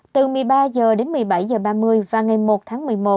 từ một mươi ba h đến một mươi bảy h ba mươi và ngày một tháng một mươi một